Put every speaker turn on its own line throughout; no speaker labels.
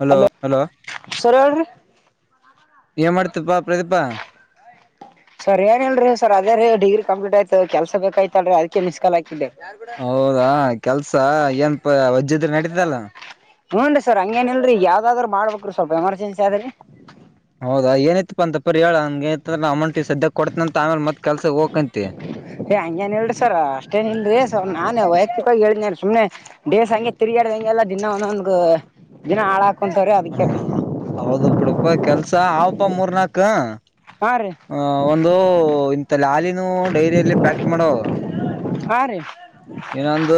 Hello hello
sir ಹೇಳ್ರಿ
ಏ ಮಾಡ್ತಪ್ಪಾ ಪ್ರದೀಪಾ
ಸರ್ ಏನಲ್ರರಿ ಸರ್ ಅದೇ ರ ಡಿಗ್ರಿ ಕಂಪ್ಲೀಟ್ ಆಯ್ತದ ಕೆಲ್ಸ ಬೇಕಾಯ್ತಲ್ರಿ ಅದ್ಕ್ಕೆ ಮಿಸ್ ಕಾಲ್ ಆಗ್ತಿದ್ದ
ಹೌದಾ ಕೆಲ್ಸ ಏನ್ಪಜ್ಜ ಇದ್ರ ನಡೀತಲ್ಲ
ಹೂನ್ರಿ ಸರ್ ಹಂಗೇನಲ್ರರಿ ಯಾವ್ದಾದ್ರು ಮಾಡ್ಬೇಕ್ರೀ ಸ್ವಲ್ಪ ಎಮರ್ಜೆನ್ಸಿ ಆದ್ರರಿ
ಹೌದಾ ಏನತಿಪ್ಪ ಅಂತ ಪರಿ ಹೇಳ ನಂಗೆಂದ ಅಮೌಂಟ್ ಈ ಸದ್ಯಕ್ಕೆ ಕೊಡ್ತನ ಅಂತ ಆಮೇಲಿ ಮತ್ತೆ ಕೆಲ್ಸ ಹೋಗ್ಂತಿ
ಏ್ ಹಂಗೇನ್ ಹೇಳಿ ಸರ್ ಅಷ್ಟೇನ್ ಇಲ್ರಿ ಸರ್ ನಾನೇ ವೈಯಕ್ತಿಕವಾಗಿ ಹೇಳ್ದನ್ ಸುಮ್ನೆ ಡೇಸ್ ಹಂಗೆ ತಿರುಗಾಡ್ದ ಹಂಗೆಲ್ಲ ದಿನ ಒಂದೊಂದ ದಿನ ಹಾಳಾ ಒಂತರ ಅದಕ್ಕೆ
ಅಪ್ಪ ಕೆಲ್ಸ ಆತವ ಮೂರ್ನಾಕ್ ಹ
ಹಾ ರೀ
ಒಂದು ಇಥ ಲಾಲಿನೂ ಡೈರಿಯಲ್ಲಿ ಪ್ಯಾಕ್ಟ್ ಮಾಡೋ
ಹಾರೆ
ಇನೊಂದು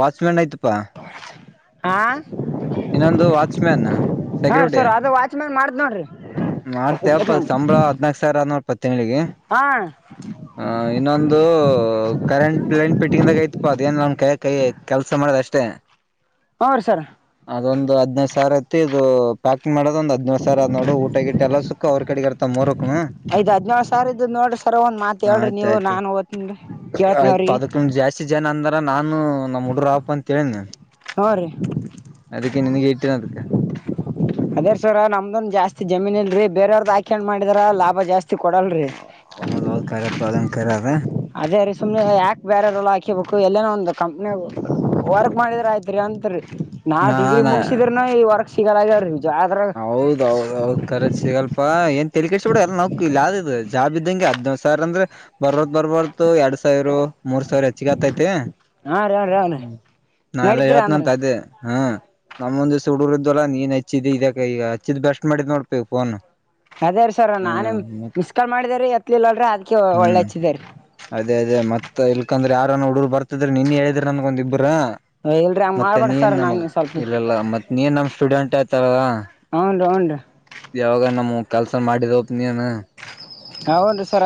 ವಾಚ್ಮ್ಯಾನ್ ಆಯ್ತು ಪ್ಪ
ಹಾ
ಇನ್ನೊಂದು ವಾಚ್ಮ್ಯಾನ್
ಹಾ ರೀ
ಸೆಕ್ಯೂರಿಟಿ
ಸರ್ ಅದು ವಾಚ್ಮ್ಯಾನ್ ಮಾಡ್ದ್ ನೋಡ್ರಿ
ಮಾಡ್ತಿಯಪ್ಪ ಸಂಬಳ ಹದನಕ ಸಾವಿರ ಅದ ನೋಡು ತಿಂಗಳಿಗೆ
ಹಾ
ಆ ಇನ್ನೊಂದು ಕರೆಂಟ್ ಲೈನ್ ಪೀಟ್ಟಿದಾಗ ಐತಿ ಅ ಅದೇನ್ ನನ್ ಕೈ ಕೈ ಕೆಲ್ಸ ಮಾಡೋದ ಅಷ್ಟೇ
ಹ ರೀ ಸರ್
ಅದೊಂದು ಹದನೈದು ಸಾವಿರ ಐತಿ [unintelligible] ಮಾಡೋದ ಒಂದ ಹದ್ನೋಳ ಸಾವ್ರ ಆದ್ ನೋಡು ಊಟಗಿಟ್ಟ ಎಲ್ಲ ಸುಕ್ಕ ಅವ್ರ ಕಡಿಗ್ ಇರ್ತ ಮೂರಕನ್ನೂ
ಐದ್ ಹದ್ನೇಳು ಸಾವಿರ ಇದ್ದದ್ ನೋಡ್ರಿ ಸರ್ ಒಂದ್ ಮಾತ್ ಹೇಳ್ರಿ
ಆಯ್ತ
ನೀವು
ಆಯ್ತ.
ನಾನ್ ಓದ್ತನ್ರಿ ಕೇಳ್ತನಿ
ಆಯ್ತ್
ಅವ್ರಿಗೆ
ಪದಕ್ಕ ಜಾಸ್ತಿ ಜನ ಅಂದಾರ ನಾನು ನಮ ಹುಡ್ರಪ್ಪ ಅಂತೇಳ
ಹ್ಞೂ ರೀ
ಅದಕ್ಕೆ ನನ್ಗ ಇಟ್ಟೀನ ಅದ್ಕ
ಅದೇ ಸರ ನಮ್ದುನ್ ಜಾಸ್ತಿ ಜಮೀನ್ ಇಲ್ರಿ ಬೇರವ್ರದ್ದ ಆಕೊಂಡ ಮಾಡಿದಾರ ಲಾಭ ಜಾಸ್ತಿ ಕೊಡಲ್ರಿ
ಹೌದೌದು ಖರೆಪ್ಪ ಅದಂಗ ಖರೆ ಅದ.
ಅದೇ ರೀ ಸುಮನೆ ಯಾಕಕ್ ಬೇರೆ ಹಾಕಿಬೇಕು ಎಲ್ಲೇನ ಒಂದು ಕಂಪ್ನಿ ವರ್ಕ್ ಮಾಡಿದ್ರ ಆಯ್ತ್ರಿ ಅತ್ರಿ. ನಾ ಡಿಗ್ರಿ ಮುಗಸಿದ್ರನು ಈ ವರ್ಕ್ ಸಿಗಲ್ಲಾಗ್ಯಾವ್ರಿ.
ಹೌದೌದೌದ ಖರಜ್ ಸಿಗಲ್ಪ ಏನ್ ತೇಲಿ ಕೆಡಸ್ಕೋಬ್ಯಾಡ್ ನಾವ ಇಲ್ಲಿ ಆದ ಇದ ಜಾಬ ನಿಂಗ್ ಹದಿನೇಳ ಸಾವ್ರ ಅಂದ್ರ ಬರೋದ್ ಬರ್ಬಾರದ ಎರಡ್ ಸಾವಿರ ಮೂರ್ ಸಾವಿರ ಹೆಚ್ಚಿಗೆ ಆತೈತಿ ಹ್ಮ
ಹಾ ರೀ ಹಾ ರೀ ಹಾ ರೀ
ನಾವ ಎಲ್ಲ
ನಡೀತೀರ ಅಂದ್ರ
ಹೇಳ್ತಂತ ಅದೇ ಹ ನಮ್ಮೊಂದ ಹುಡುಗ್ರು ಇದ್ರಲ್ಲ ನೀನ್ ಹೆಚ್ಚಿದ್ದ ಇದ ಈ ಈಗ ಹಚ್ಚಿದ್ ಬೆಸ್ಟ್ ಮಾಡಿದ್ ನೋಡ್ಬೇಕು ಫೋನ್
ಅದೇ ರೀ ಸರ್ ನಾನೇ
ಹ್ಮ್
ಮಿಸ್ಕಾ ಮಾಡಿದರಿ ಎತ್ಲಿಲ್ಲಲ್ರರಿ ಅದ್ ಒಳ್ಳೆ
ಹ್ಮ್
ಹಚ್ಚಿದೇರಿೀ
ಅದೇ ಅದೇ ಮತ್ ಇಲ್ಕಂದ್ರೆ ಯಾರನೋ ಹುಡುರು ಬರ್ತಿದ್ರ ನಿನ್ ಹೇಳಿದ್ರ ನನ್ಗ ಒಂದ ಇಬ್ಬರ
ಇಲ್ರಿ ಹಂಗ್
ಮತ್ತೆ
ಮಾಡ್ಬೇಡ್ರಿ
ನೀನ್
ಸರ್ ನಾನ್
ನಮಗ್
ಸ್ವಲ್ಪ
ಇಲ್ಲಲ್ಲ ಮತ್ತ ನೀನ್ ನಮ ಸ್ಟೂಡೆಂಟ್ ಅತ್ತ ಹೇಳದ
ಹ್ಞೂ ರೀ ಹ್ಞೂ
ಯಾವಾಗ ನಮ್ ಕೆಲ್ಸ ಮಾಡಿದೋಪ ನೀನ್
[unintelligible] ಸರ್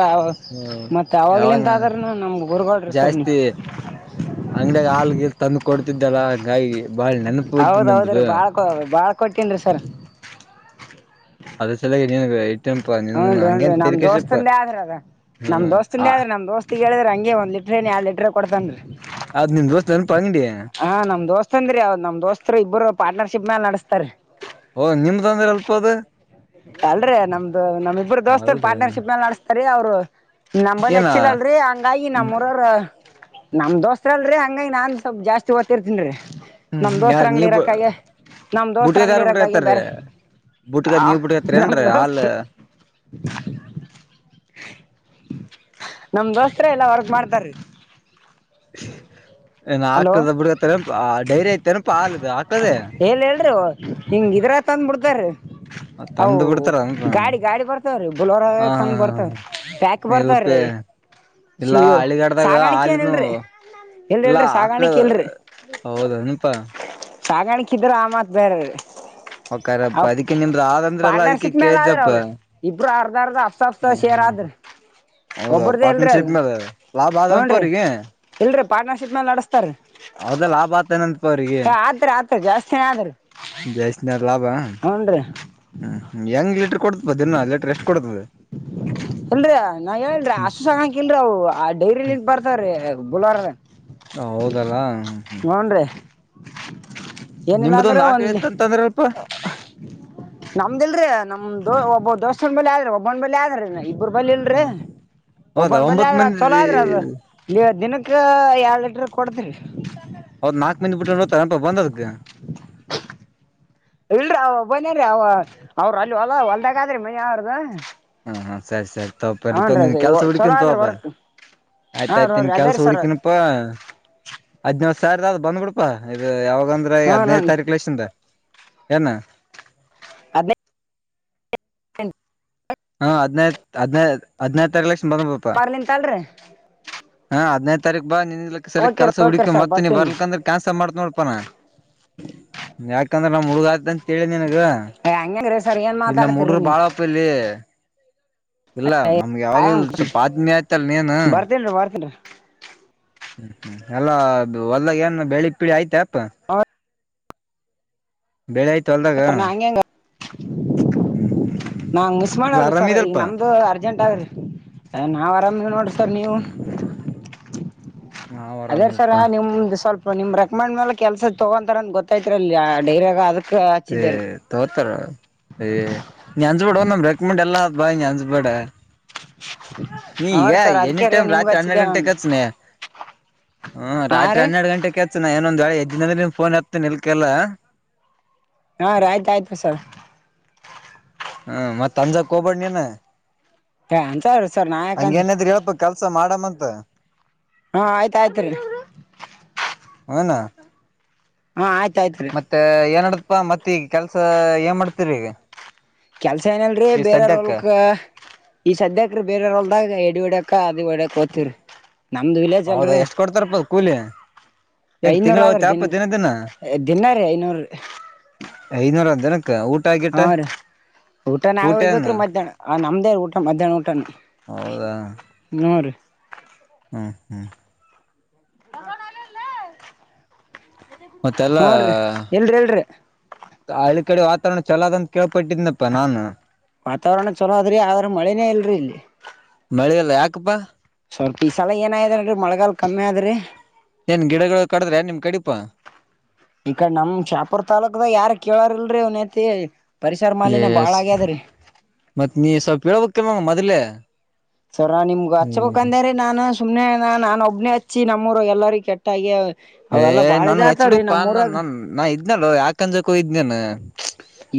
ಮತ್ತ ಅವಾಗಲಿಂದ
ಯಾವಾಗ
ಆದ್ರನು ನಮ್ಮ ಗುರ್ಗೊಳ್ ಸರ್ ನೀವು.
ಜಾಸ್ತಿ ಎಲ್ಲಿ ತಂದು ಕೊಡ್ತಿದ್ದಲ್ಲ ಗಾಯಿಗೆ
ಹೌದೌದ ರೀ ಬಾಳ್ ಬಾಳ್ ಕೊಟ್ಟೀನ್ ರೀ ಸರ್
ಅದ್ರ ಸಲುವಾಗಿ ನೀನ್
ಹನ್ ರಿ ಹನ್ ರಿ ನಮ ದೋಸ್ತಂದೇ ಆದ್ರ ಅದ ನಮ
ಹ್ಮ್
ದೋಸ್ತಿಂದೇ
ಆ
ಆದ್ರ ನಮ್ ದೋಸ್ತ ಅತ್ತಿಗೆ ಹೇಳಿದಂರಗೆ ಒಂದು ಲೀಟರ್ ಏನ ಯಾಡ ಲೀಟರ್ ಕೊಡ್ತೀನರಿ
ಅದ್ ನಿಮ್ ದೋಸ್ತ್ ನೆನಪ ಅಂಗಡಿ
ಹ ನಮ್ಮ ದೋಸ್ತ ಅಂದರಿ ಅವರ ನಮ್ಮ ದೋಸ್ತ ಇಬ್ಬರು ಪಾರ್ಟ್ನರ್ಶಿಪ್ ಮ್ಯಾಲ ನಡಸ್ ಸರ್
ಓ ನಿಮ್ದ ಅಂದ್ರೆ ಅಲ್ಪ ಅದ
ಅಲ್ಲರಿ ನಮ್ದು ನಮ್ಮ ಇಬ್ಬರು ದೋಸ್ತನ್
ಅಲ್ರಿ
ಪಾರ್ಟನರ್ಶಿಪ್ ಮೇಲ್ ನಡೆಸುತ್ತಾರ ರೀ ಅವರು ನಂಬಲ್
ಏನ
ಹೆಚ್ಚಿಲ್ಲ ಅಲ್ಲರಿ ಹಂಗಾಗಿ ನಮ್ಮೂರಾರ ನಮ್ಮ ದೋಸ್ತರ್ ಅಲ್ಲರಿ ಹಂಗಾಗಿ ನಾನ್ ಸ್ವಲ್ಪ ಜಾಸ್ತಿ ಓದ್ತಿರ್ತೀನ್ರೀ ನಮ್ಮ
ಹ್ಮ್
ದೋಸ್ತ
ಯಾರ
ಅಂಗಡಿ
ನೀವ್
ಇರಕ್ಕಾಗೆ ನಮ್ಮ ದೋಸ್ತ ಅಂಗಡಿ
ಬುಟ್ಗದಾರ
ಇರಕ್ಕಾಗೆ
ಬಿಟ್ಕತ್ತಾರೀ
ಬೇರೆ ಆ
ಬುಟ್ಗದ್ ನೀವ್ ಬಿಟ್ಕತ್ತರಿ
ನಮ್ಮ
ಏನ್ರೀ
ದೋಸ್ತ
ಹಾಲ್
[unintelligible] ನಮ್ಮ ದೋಸ್ತರ ಎಲ್ಲಾ ವರ್ಕ್ ಮಾಡ್ತಾರೀ
[unintelligible] ಏನ
ಹಲೋ
ಆಕಳು ಬಿಡ್ತೀರಪ್ಪ ಡೈರಿ ಐತೆಪ ಹಾಲದು ಆಕಳುದೆ
ಎಲ್ ಹೇಳ್ರಿ ಹಿಂಗ್ ಇದ್ರ ತಂದ್ ಬಿಡ್ತಾರ್ರಿ ಅವು ಗಾಡಿ ಗಾಡಿ ಬರ್ತವ್ರೀ ಬುಲ್ಲೊರ
ಹಾ
ತಂದ
ಹಾ
ಬರ್ತವ್ರ ಜಗ
ಹಾ ಇಲ್ಪ
ಬರ್ತಾರೀ
ಇಲ್ಲಾ ಹಳ್ಳಿಗಾಡ್ದಾಗ
ಸಾಗಾಣಿಕೆ ಏನ್
ಹಾಲಿನು
ಇಲ್ರಿ ಎಲ್ ಹೇಳ್ರಿ
[inaudible] ಹೌದನಪಾ
ಸಾಗಾಣಕೆ ಇದರ ಆ ಮಾತ್ ಬೇರೆ
ಹೊಕ್ಕಾರಪ್ಪ
ಅವ್
ಅದಿಕ್ಕೆ ನಿಮ್ದ ಆದಂದ್ರಲ್ಲ ಅದಿಕ್ಕೆ
ಪಾರ್ಟ್ನರ್ಶಿಪ್ ಮೇಲೆ ಆದ್ರಿ
ಕೇಳಿದಪ್ಪ
ಅವ್ರು ಇಬ್ರು ಅರ್ಧ ಅರ್ಧ ಅಫ್ಸ ಅಫ್ಸ
ಹ ಹ
ಶೇರ್ ಆದ್ರಿ
ಹೌದ
ಒಬ್ರದೇ ಇಲ್ರಿ ಅದು
ಪಾರ್ಟ್ನರ್ಶಿಪ್ ಮೇಲೆ ಲಾಭ
ಹ್ಞೂ
ಆದನಪ್ಪ
ರೀ
ಅವರಿಗೆ
ಇಲ್ರಿ ಪಾರ್ಟ್ನರ್ಶಿಪ್ ಮೇಲೆ ನಡೆಸ್ತಾರ್ರಿ
ಹೌದ ಲಾಭ ಆತನಂಪ ಅವರಿಗೆ ಕೆ
ಏ ಆತ್ರಿ ಆತ್ರಿ ಜಾಸ್ತಿನೇ ಆದ್ರಿ
ಜಾಸ್ತಿನ ಆಯ್ತ ಲಾಭ
ಹ್ಞೂ ರೀ
ಹು ಹೆಂಗ ಲೀಟರ್ ಕೊಡ್ತದಿನ ಲೀಟರ್ ಎಷ್ಟು ಕೊಡ್ತದ
ಇಲರಿ ನಾ ಹೇಳರಿ ಅಷ್ಟು ಚೆನ್ನಾಗಿಲ್ಲರಿ ಅವು ಆ ಡೈರಿಲಿ ಇದ ಬರ್ದರಿ ಬುಲ್ವಾರ
ಹ ಹೌದಲ್ಲಾ
ನೋಡ್ರಿ [unintelligible] ಏನಿಲ್ಲ ಅಂದರೂ
ನಿಮ್ದೊಂದ್ ಆಕಳ
ಒಂದು
ಇತ್ತ ಅಂತ ಅಂದ್ರಲ್ಪ
ನಮ್ದ್ ಇಲ್ರಿ, ನಮ್ ದೋಸ್ತ್ ಒಬ್ಬವಾ ದೋಸ್ತ್ ಸುಮದಾ ಆದರೂ ಒಂದು ಬಲಿ ಆದರಲ್ಲ ಈಗ ದೂರಬಲ್ಲಿ ಇಲ್ಲರಿ
ಹೌದಾ
ಒಬ್ಬನ ಬಲಿ
ಒಂಬತ್
ಆದರ ಅದು
ಮಂದಿ
ಚಲೋ ಆದರ ಏ ದಿನಕ್ಕೆ ಏ ಯಾಡ ಲೀಟರ್ ಕೊಡ ತಂಗಿ
ಹೌದ್ ನಾಲ್ಕ್ ಮಂದಿ ಬಿಟ್ಟ ನೋತಾರಪ ಬಂದದಕ್
ಇಲ್ಲರಿ ಅವ ಒಬ್ಬನ ರೇ ಅವ ಅವರ ಅಲ್ಲಿ ಹೊಲ ಹೊಲದಾಗ ಆಯ್ತು ಮನೆ ಅವರದ
ಹಾ ಹ ಸರಿ ಸರಿ ತಪಲ್ಪ ನಿನ್ನ ಕೆಲಸ
ಚಲೋ
ಹುಡುಕಿದನ
ಆದ್ರಿ
ಬಾಯ್
ವರ್ಕ್
ಆಯ್ತ
ಹಾಂ
ಆಯ್ತ ನಿನ್ನ
ನೋಡ್ರಿ ಅದೇ
ಕೆಲಸ
ರೀ ಸರ್
ಹುಡಕನಪ್ಪಾ ಹದಿನೇಳು ಸರ್ ಸರ್ ಬಂದ ಬಿಡಪ್ಪ ಇದು ಯಾವ ಬಂದರೇ
ಹ್ಞೂ
ಹದಿನೈದು
ನೋಡ್ರಿ
ತಾರೀಕು ಲಷ್ಟಿಂದ ಏನು
ಅದೇ [unintelligible]
ಹಾ ಹದ್ನೈ ಹದ್ನೈ ಹದ್ನೈತ್ರ ಲಕ್ಷ ಬಂದಪಾ
ಮಾರ್ಲಿಂತ ಅಲ್ರಿ
ಹಾ ಹದಿನೈ ಬಾ ನಿಂದಲಕ್ ಸಲ
ಓಕೆ
ಕೆಸ
ಓಕೆ
ಹುಕಿ
ಸರ್
ಮತ್ತ ನೀ
ಬರ್ತೀನಿ
ಬರ್ಕ್ ಅಂದ್ರ ಕ್ಯಾನ್ಸಲ್ ಮಾಡ ನೋ ಯಾಕಂದ್ರೆ ನಮ್ ಹುಡುಗ ಆಯತ ಅಂತೇಳಿ
ಹಂಗಂಗ್ರಿ ಸರ್ ಏನು
ಇಲ್ಲ ನಮ್ಮ
ಮಾತಾಡ್ತೀರಿ
ಹಡರು
ನೀವು
ಬಾಳಪ್ಪ ಇಲ್ಲಿ ಇಲ್ಲ ನಮ್ಗೆ ಯಾವ್ದ
ಕಾಯಂ
ಸ್ವಲ್ಪ ಆತ್ಮೀಯ ಆಯ್ತಲ್ಲ ನೀನು
ಬರ್ತೀನ್ರಿ ಬರ್ತೀನ್ರಿ
ಹ್ಮ್ ಹ್ಮ್ ಎಲ್ಲ ಒದಾಗ ಏನ್ ಬೆಳಿಗ್ ಪೀಳಿ ಆಯ್ತ ಅತ್ ಬೆಳೆ ಆಯ್ತು ಅಲ್ದಾಗ
ಬರ್ತಾರ ನಾ ಹಂಗೆ ಹೆಂಗ ನಾ ಮಿಸ್
ಇಲ್ಲ
ಮಾಡಲ್ರಿ ಸರ್ ಈಗ
ಆರಾಮಿದಲ್ಪ
ನಮ್ದು ಅರ್ಜೆಂಟ್ ಆಗ್ರಿ ನಾವ್ ಆರಾಮ ನೋಡ್ರಿ ಸರ್ ನೀವು
ಹ್ಮ್ ಹ್ಮ್ ನಾವ್
ಅದೇರ ಸರ
ಆರಾಮಿದಪ್ಪ
ನಿಮ್ದ ಸ್ವಲ್ಪ ನಿಮ್ ರೆಕಮೆಂಡ್ ಮೇಲೆ ಕೆಲ್ಸ ತಗೋಂತಾರ ಅ ಗೊತ್ತಲ್ಲ ಡೈಯ ಅದ
ತತ [unintelligible] ಬಡವ ನ್ರ ಕುಕ್ಮಿಂಡ ಎಲ್ಲಾ ಬಾ ಅಂಚ್ಬೇಡ ನೀ
ಹಾ
ಈಗ
ರೀ ಸರ್
ಎನಿ
ಅದಕ್ಕೆ ರೀ
ಟೈಮ್
ನಿಮ್ಗ್
ರಾತ್ರಿ ಹನ್ನೆರಡು
ಹಚ್ಚಿದ್ದೆ
ಗಂಟೆ
ನಾನು
ಕೆಚನ ಹ
ಹಾ
ರಾತ್ರಿ
ರೀ
ಹನ್ನೆರಡು ಗಂಟೆ ಕೆಸನ ಇೊಂದ್ ವೆ ಎದ್ ದಿನ ಅಂದ ನಿಮ್ ಫೋನ್ ಹತ್ತ ನಿಲ್ಕಲ್ಲ
ಹಾ ರ ಆಯ್ತು ಆಯ್ತು ಬಸಲ್
ಹ್ಮ ಮತ್ತತ್ ಅಂಜಾಗ ಕೋಬಡ್ ನೀನ
ಹ ಅಂತ ಸರ್ ನಾಯಕಂತ
ಮರಾಮಂತ
ಹಾ ಆಯ್ತ ಆಯ್ತ್ರಿ
ಹುನಾ
ಹಾ ಆಯ್ತು
ಮತ್ತೆ ಏನಡ ಅಪ್ಪಾ ಮತ್ತ ಈಗ ಕೆಲ್ಸ ಏನ್ ಮಾಡ್ತರಿ ಈಗ
ಕೆಲ್ಸ ಏನಲ್ರೀ
ಈಗ ಸದ್ಯಕ್ಕ
ಬೇರವ್ರಲ್ಕ್ ಈ ಸದ್ಯಕ್ರೆ ಬೇರೆಯವ್ರವಲ್ದಾಗ ಎಿಡಿ ಹಡಕ ಒೋತಿವಿ ನಮ್ದು ವಿಲೇಜ್
ಹೌದಾ
ಅಲ್ರಿ
ಎಷ್ಟ್ ಕೊಡ್ತಾರಪ್ಪ ಕೂಲಿ ಏನ್
ಐನೂರ
ತಿಂಗಳ
ಆದ ದಿನ
ಹೋಗ್ತಪ
ದಿನ ರೀ ಐನೂರ
ಐನೂರ ಅದೇ
ಹಾ ರೀ ಊಟ ನಾವೇ ಹೋಗ್ಬೇಕ್ರೀ ಮಧ್ಯಾಹ್ನ ಆ ನಮ್ಮ್ದೇ ಊಟ ಮಧ್ಯಾಹ್ನ ಊಟನ.
ಹೌದಾ
ನ ರೀ.
ಹ್ಮ್ ಹ್ಮ್
ಮಸನ್ ಆಲ್ಲಲ್ಲ
ಮತ್ತೆಲ್ಲಾ
ನೋಡ್ರಿ ಎಲ್ರಿಿ ಎಲ್ರಿರಿ.
ಈ ಕಡೆ ವಾತಾವರಣ ಚಲಾದದ ಅಂತ ಕೇಳ್ಪಟ್ಟಿದ್ನಪ್ಪಾ ನಾನು.
ವಾತಾವರಣ ಚಲೋ ಅದ್ರಿ ಆದ್ರ ಮಳೆನೇ ಇಲ್ರರಿ ಇಲ್ಲಿ.
ಮಳೆಲ್ಲ ಯಾಕಪ್ಪಾ.
ಸ್ವಲ್ಪ ಈ ಸಲ ಏನಯ್ನ್ರಿ ಮಳಗಾಲ್ ಕಮ್ಮಿ ಆದ್ರಿ.
ಏನ್ ಗಿಡಗಳು ಕಡದ್ರೆ ನಿಮ ಕಡಿಪಾ.
ಈಕ ನಮ್ ಚಾಪೂರ್ ತಾಲೂಕಕ್ದ ಯಾರ ಕೇಳರ್ಲ್ರರಿ ಅವನತಿ.
ಎಸ್ ಮತ್ ನೀ ಸ್ವಲ್ಪ ಹೇಳೇಬೇಕಲ್ ಮೊದ್ಲೆೇ ಹ.
ಸರ ನಿಮ್ ಹಚ್ಬೇಕ ಅಂದ್ರ ನಾನು ಸುಮ್ನೆ ನಾನು ಒಬ್ಬನೇ ಹಚ್ಚ. ಹಚ್ಚಿ ನಮ್ಮೂರು ಎಲ್ಲಾರೂ ಕೆಟ್ಟಾಗಿ.
ಏ
ಅವೆಲ್ಲಾ ಬಾಳ
ನನ್ಗ್ ಹಚ್
ಇದಾತವ್ರಿ
ಬಿಡುಪಾ ನ
ನಮ್ಮೂರಾಗ
ನಾ ಇದ. ಇದನಲ್ಲೋ ಯಾಕನ್ಜಕೋಯ್ೇಾನ.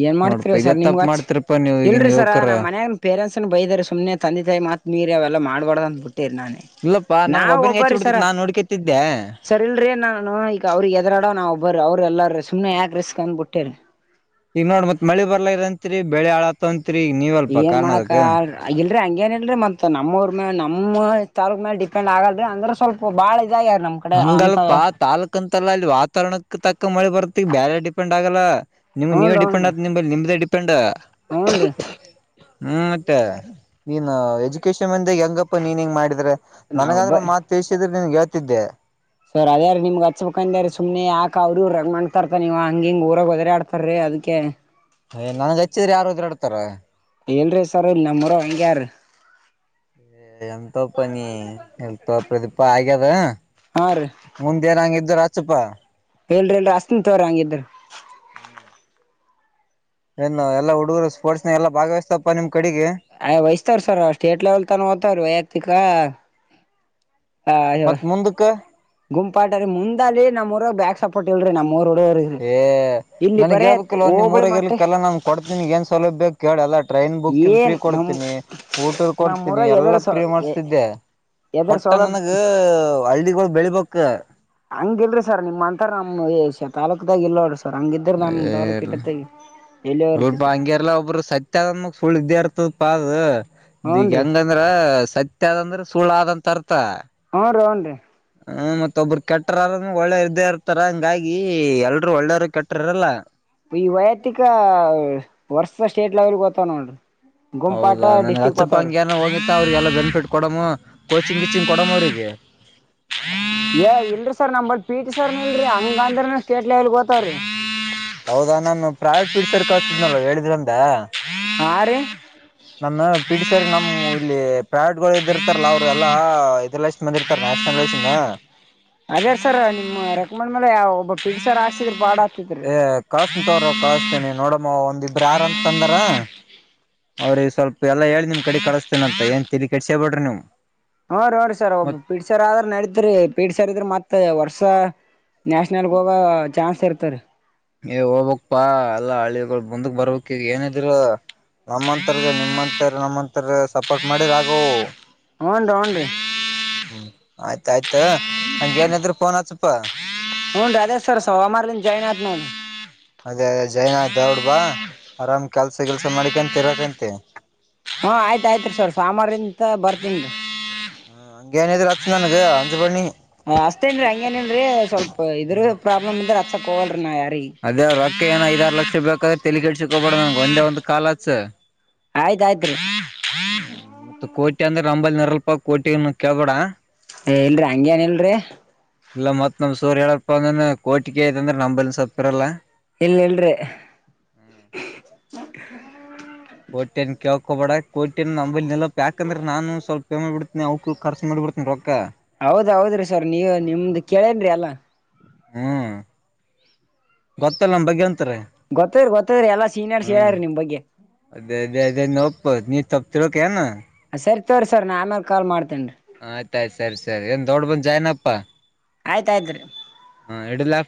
ಏನ್ ಮಾಡ್ತಿರಿ ಸರ್ ನಿಮ್ಗ್ ಅಚ್
ನೀವ್
ಇಲ್ರಿ
ಈಗಿನ
ಸರ
ಯುವಕರ
ನಮ್ಮ ಮನ ಪೇರೆಂಟ್ಸ್ ಬೈದಾರ ಸುಮ್ನೆ ತಂದೆ ತಾಯಿ ಮಾತ್ ಮೀರಿ. ಅವೆಲ್ಲ ಮಾಡಬಡ ಅಂದ್ ಬಿಟ್ಟು. ನಾನೇ
ಇಲ್ಲಪ್ಪಾ ನನ್ಗ್
ನಾವವು
ಒಬ್ಬನಿಗೆ ಹೆಚ್ಚಿ
ಒಬ್ಬರೀ ಸರ
ಬಿಡ್ತತ್ ನಾನ್ ನೋಡ್ಕತಿದ್ದೆ
ಸರ್ ಇಲ್ರಿೀ ನಾನು ಈಗ ಅವ್ರಿಗೆ ಎದರಾಡೋ ನಾ ಒಬ್ಬ್ರ ಅವರು ಎಲ್ಲಾರು ಸು್ನೆ ಯಾಕಕ್ ರಿಸ್ಕ್ ಅಂದ್ ಬಿಟ್ಟೇರಿ.
ಈಗ ನೋಡ್ ಮತ್ ಮಳಿ ಬರ್ಲ ಇತ್ರಿ ಬೆಳೆ ಆಳತಂತ.
ಏನ್ ಮಾಡಕ ಇಲ್ರಿ ಹಂಗೇನ್ ಇಲ್ರಿ ಮತ್ತತ್ ನಮ್ಮೂರು. ನಮ್ಮ ತಾರೂಕ್ ಮೇಲೆ ಡಿಪೆಂಡ್ ಆಗಲ್ರಿ ಅಂದ್ರೆ ಸ್ವಲ್ಪ ಬಾಳ. ಇದಾಗ್ಯಾರ ನಮ್ ಕಡೆ ಅಂತ
ಹಂಗಲ್ಪಾ ತಾಾಲೂಕ್ ಅಂತಲ್ಲ ಅಲ್ಲಿ ವಾತಾವರಣಕ್ಕೆ ತಕ್ಕ. ಅಕ್ಕ ಮಳಿ ಬರ್ತ್ತ ಈ ಬೇರೆ ಡಿಪೆಂಡ್ ಆಗಲ್ಲ. ನಿಮ್ ನೀವ ಡಿಪೆಂಡ್ ಆತ ನಿಮ್ದ. ಪಿಂಡ.
ಹ್ನ್ೀ.
ಹ್ಮ್ ಮತ್ತೆ ನೀನ್ ಎಜುಕೇಶನ್ ಅ. ಹೆಂಗಪ್ಪ ನೀನ್ ಹೆಂಗ ಮಾಡಿದ್ರೆ
ನಾವೊಬ್ಬ
ನನಗಾದ್ರರು ಮಾತ್ ತಿಳಸಿದ್ರೆ. ನಿನ್ಗೆೇಳ್ತಿದ್ದೆ.
ಸರ್ ಅದ ಯಾರ ನಿಮ್ಗೆ ಹಚ್ಬೇಕಂದ ಸುಮನೆ ಹಾಕ. ಕ ಅವ್ರ ರಗ ಮಾಡ್ತಾರತ ನೀವ್ ಹಂಗಿ ಹಂಗ ಊರಾಗ ಹದ್ರ ಆಡ್ತಾರ್ರೀ ಅದಕ್ಕೆ
್ ನನ್ಗೆ ಹಚ್ಚಿದ್ರೆ ಯಾರದ್ರರುಾಡ್ತಾರ.
ಹೇಳಲ್ರಿ ಸರ್ ಇಲ್ಲಿ ನಮ್ಮರ ಹಂಗಗೆ ಯಾರೀ.
ಹ್ಮ. ಎಂತ ಪನ ಹೆ. ಪ್ರದೀಪಾ ಆಗ್ಯದ
ಹಾ ರೀ
ಮುಂದೆ ಏನ ಹಂಗಿದ್ದರ ತ್ ಚಪ್ಪ
ಇಲ್ರಿ ಇಲ ನಾ ಹಸ್ತನ ತೊಗೋರಿ ಹಂಗಿದ್ರ
ಏನು ಎಲ್ಲ ಹುಡುಗರು ಸ್ಪೋರ್ಟ್ಸ್ ಎಲ್ಲಾ ಭಾಗ ವಹಿಸ್ತಾವಪ್ಪ ನಿಮ್ ಕಡೆಗೆ
ಹಯ ವೈಸ್ತಾರ ಸರ್ ಸ್ಟೇಟ್ ಲೇವಲ್ ತಾನ ಹೊತ ರೀ ವೈಯಕ್ತಿಕ ಆ
ಮತ್ತ್ ಮುಂದಕ್ಕ
ಗುಂಪಾಟ ರೀ ಮುಂದಲ್ಲಿ ನಮ್ಮಊರ ಬ್ಯಾಕ್ ಸಪೋರ್ಟ್ ಇಲ್ರಿ ನ
ಏ ನನ್ಗ್ ಹೇಳ್ಬೇಕುಲ್ ನಿಮ್ಮ
ಹೋಬಳಿ ಮಟ್ಟ
ಮೂರಗರ್ಲಿಕ್ಕೆಲ್ಲಾ ನಾನನ್ ಕೊಡ್ತೀನಿ ಏನ್ ಸೌಲಭ್ಯ ಬೇಕ ಕೆೇಳ ಅಲ ಟ್ರೈನ್ ಬುಕ್ಕಿಂಗ್ ಫ್ರೀ
ಏನ್ ನಮ್
ಕೊಡ್ತೀನಿ ಊಟದ ಕೊಡ್ತೀನಿ
ನಮ್ಮೂರಾಗ ಎದರ
ಎಲ್ಲಾ
ಸ
ಫ್ರೀ ಮಾಡಸ್ತಿದ್ದೆ
ಎದರ
ಒಟ್ಟ
ಸೌಲಭ್
ನನಗ ಹಳ್ಳಗಳ ಬೆಳಿಬೆಕ್
ಹಂಗ ಇಲ್ರಿ ಸರ್ ನಿಮ್ಮಂಥ ನಮ್ಮ ತಾಲೂಕದಾಗ ಇಲ್ಲೋಡಿ
ಏ
ಎಲ್ಲಿಯೋ
ಸ್ವಲ್ಪ
ಇರ್ತೈತ್ರಿ
ಹಂಗಗೆರ್ಲ್ಲ ಒಬ್ರು ಸತ್ಯ ಅದ ಸುಳ್ಳು ಇದೇ ಇರ್ತದ ಪಾ ಹ ಇದೀಗ
ಹೂನ್ರಿ
ಹೆಂಗಂದ್ರ ಸತ್ಯದ ಅಂದ್ರ ಸುಳ್ಳಾಆದಂಥರ್ಥ
ರಿ
ಹ್ಮ್ ಮತ್ತೊಬ್ರು ಕೆಟ್ಟ್ರ ಒಳ್ಳೆರ ಇರ್ತಾರ ಹಂಗಾಗಿ ಎಲ್ರುೂ ಒಳ್ಳೇರು ಕೆಟ್ಟರಲ್ಲ
ಈ ವೈಯಕ್ತಿಕ ವರ್ಸದ ಸ್ಟೇಟ್ ಲೆವೆಲ್ ಗೆ ಹೋಗತಾವನರಿ
ಹೌದಾ ನನ್ ಹಚ್ಚಪ್ಪ ಹಂಗ ಏನ ಹೋಗಿತ್ತ ಅವ್ರಿಗೆಲ್ಲ ಬೆನಿಫಿಟ್ ಕೊಡಮ ಕೋಚಿಂಗ್ ಗಿಚಿಂಗ್ ಕೊಡಮ ಅವ್ರಿಗೆ [inaudible]
[unintelligible] ಏ ಇಲ್ಲ ಸರ್ ನಮ್ಮ ಪೀಟ ಸರ್ [unintelligible] ಹಂಗ ಅಂದ್ರನು ಸ್ಟೇಟ್ ಲೆವೆಲ್ ಗೋತವ್ರೀ
ಹೌದಾ ನಾನು ಪ್ರಾಯ ಪೀಡ್ಸರ್ ಕಳತಿದ್ನಲ್ ಹೇಳಿದ್ರಂದ.
ಹಾ ರೀ
ನಮ್ಮ ಪಿಟಿ ಸರ್ ನಮ್ಮ್. ಇಲ್ಲಿ ಪ್ರಯಡ್ ಗಳು ಇದ ಇರ್ತಾರಲ್ಲಾ ಅವರು ಎಲ್ಲಾ ಇದಸ್ ಬಂದ ಇರ್ತ ನ್ಯಾಷನಲ್ ದಿಂದ.
ಅದೇ ಸರ್ ನಿಮ್ ರೆಕಮಂಡ್ ಮೇಲೆ ಯಾವ ಒಬ್ಬ ಪ. [unintelligible]
ಏ ಕಳ್ಸ್ ತೋರ ಕಸ್ತೇನಿ ನೋಡಮ್ಮ ಒಂದಿಬ್ರು ಯಾರಂತ ತಂದಾರ. ಅವ್ರಿಗೆ ಸ್ವಲ್ಪ ಎಲ್ಲಾ ಹೇಳಿ ನಿಮ್ ಕಡೆ ಕಳಸ್ತೇನಂತ ಏನ್ ತಿಳಿ ಕೆಟ್ಸೇಬೇಡ್ರಿ ನೀವು.
ಹುರಿ ಸರ್ ಹುರಿ ಸರ್ ಒಬ್ಬ
ಮತ್
ಪಿಟಿ ಸರ್ ಆದ್ರ ನಡೀತ್ರಿ ಟಿ ಸರ್ ಇದ್ರ ಮತ್ತತ್ ವರ್ಷ. ಸ ನ್ಯಾಷನಲ್ ಗೋವಾ ಚಾನ್ಸ್ ಇರ್ತದರೀ.
ಈ ಹೋಗಬಕ್ ಪಾ ಎಲ್ಲಾ ಹಳ್ಳಿಗಳು ಮುಂದಕ್ ಬರ್ಬೇಕಕ್ ಈಗ ಏನಿದಿರ. ನಮ್ಮ ಅವರಿಗೆ ನಿಮ್ಮ. ನಮ್ಮಂತರ ಸಪೋರ್ಟ್ ಮಾಡಿರ ಆಗವು.
ಹ್ನ್ ಹ್ನ್ೀ.
ಹ್ಮ್ ಆಯ್ತಾಯಯ್ತ ಹಂಗೇನಿದ್ರರು ಫೋನ್ ಹಚ್ಚಪಾ.
ಹುನ್ ರಧೇಶ್ವರ ಸೋಮಾರ ಜನ. ಹ.
ಅದೇ ಅದೇ ಜೈನ ದೌಡ್ಬಾ. ಆರಾಮ್ ಕೆಲ್ಸ ಕೆಲ್ಸ ಮಾಡಿಕಂತ ಇರಕಂತೆ
ಹಾ ಆಯ್ತ ಆಯ್ತ್ ರೀ ಸವರ್ ಸಾಮಾರಂತ ಬರ್ತನ್
ಅದು ಬನ್ನಿ
ಅಷ್ಟತೇನ್ರರಿ ಹಂಗೇನನ್ರೀ ಸ್ವಲ್ಪ ಇದ್ರ ಪ್ರಾಬ್ಲಮ್ ಇಂದ್ರ ಕೋಲ್ ನಾಯ
ಅದೇ ಅವರು ಅಕ್ಕ ಏನ ಐದಾರು ಲಕ್ಷ ಕ್ಷ ಬೇಕಾದ್ರೆ ತೆಗಿಡ್ಸಿಕ ಹಬೇಡ ನನ್ಗೆ ಒಂದೇ ಒಂದ ಕಾಲತ್
ಆಯ್ತಾಯ್ತ್್ರೀ
ಕಿ ಅಂದ್ರೆ ಒಂಬೈಲ್ ನೂರ ರಲ್ಪ ಕೋಟಿ ಕೇಳಬಡ
ಏ ಇಲ್ರಿ ಹಂಗಗೆ ನ್ ಇಲ್ರಿ
ಇಲ್ಲ ಮತ್ ನಮ್ ಸೂರ್ ಹೇಳಪ್ಪ ಅಂದ್ರ ಕಟಿ ಆಯಐತ ಅಂದ್ರ ನಂಬ ಸ್ವಲ್ಪ [unintelligible]
ಇಲ್ಲ ಇಲ್ರಿ [inaudible]
ಕೋಟ್ಯನ್ ಕೇಳ್ಕೋಬೇಡ ಕೋಟ್ಯನ್ ನಂಬೈಲ್ ನಲ ಪ್ಯಾಕ್ ಅಂದ್ರ ನಾನು ಸ್ವಲ್ಪ ಪೇಮೆಂಟ್ ಬಿಡ್ತನಿ ಅವಕ ಖರ್ಚ ಮಾಡ ಬಿಡ್ತೀನೀ ರೊಕ್ಕ
ಹೌದ್ ಹೌದ್ರಿ ಸರ್ ನೀವ ನಿಮ್ದ ಕೇಳೇನ್ರಿ ಎಲ್ಲಾ
ಹ್ಮ್ ಗೊತ್ತಲ್ಲ ನಮ್ಮ ಬಗ್ಗೆ ಅಂತಾರೆ
ಗೊತ್ತದ್ರಿ ಗೊತ್ತದ್ರಿ ಎಲ್ಲಾ ಸೀನಿಯರ್ಸ್
ಹ್ಮ್
ಹೇಳ್ರಿ ನಿಮ್ ಬಗ್ಗೆ
ಪತ್ ನೀ ತಪ್ಪತಿಳಿಕೇನು
ಸರಿ ತಕೋರಿ ನಾನ ಆಮೇಲೆ ಕಲ್ ಮಾಡ್ತೇನೀ
ಆಯ್ತಾಯಯ್ತ್ ಸರಿ ಸರಿ ಏನ್ ದೊಡ್ ಬಂದ್ ಜಾಯನಪ್ಪಾ
ಆಯ್ತಯ್ತ್ರಿ
ಹಾ ಎಡಲ್ಲಾ